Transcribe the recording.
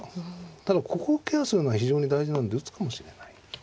ただここをケアするのは非常に大事なんで打つかもしれない。